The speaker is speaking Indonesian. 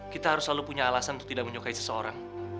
kita harus selalu punya alasan untuk tidak menyukai seseorang